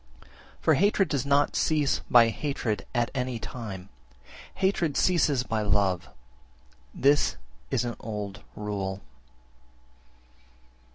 5. For hatred does not cease by hatred at any time: hatred ceases by love, this is an old rule.